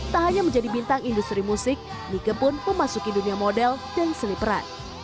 tak hanya menjadi bintang industri musik nike pun memasuki dunia model dan seni peran